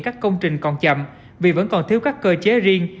các công trình còn chậm vì vẫn còn thiếu các cơ chế riêng